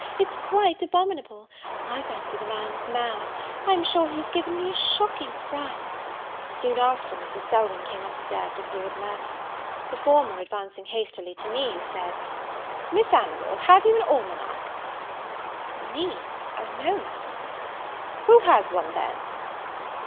it's quite abominable; I fancy the man's mad; I'm sure he has given me a shocking fright!" Soon after, Mrs. Selwyn came up stairs with Lord Merton. The former, advancing hastily to me, said, "Miss Anville, have you an almanack?" "Me? no, Madam." "Who has one, then?"